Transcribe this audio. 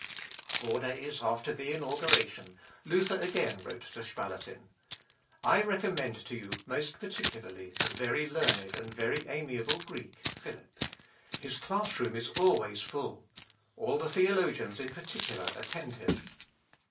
" Four days after the inauguration, Luther again wrote to Spalatin, "I recommend to you most particularly the very learned and very amiable Greek, Philip. His class room is always full. All the theologians in particular attend him.